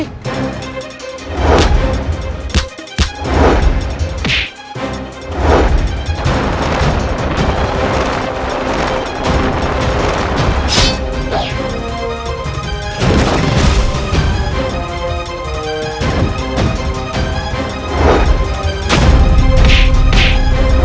terlihat mereka sama sama